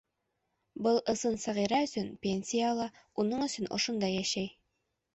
Был ысын Сәғирә өсөн пенсия ала, уның өсөн ошонда йәшәй.